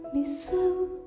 maksudku tidak ada lama lalu